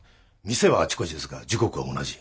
店はあちこちですが時刻は同じ。